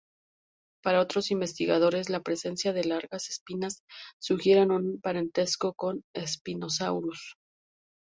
Para otros investigadores, la presencia de largas espinas sugieren un parentesco con "Spinosaurus".